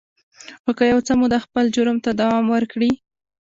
خو که يو څه موده خپل جرم ته دوام ورکړي.